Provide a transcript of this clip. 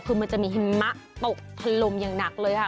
คือมันจะมีหิมะตกทะลมอย่างหนักเลยค่ะ